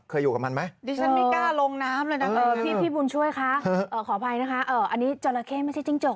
เคยอยู่กับมันไหม